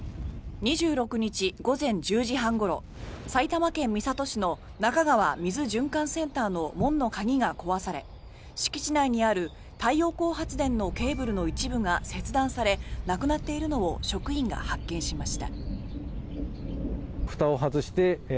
２６日午前１０時半ごろ埼玉県三郷市の中川水循環センターの門の鍵が壊され敷地内にある太陽光発電所のケーブルの一部が切断されなくなっているのを職員が発見しました。